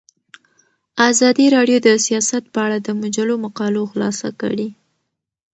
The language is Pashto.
ازادي راډیو د سیاست په اړه د مجلو مقالو خلاصه کړې.